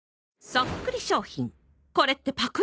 そっくり商品これってパクリ？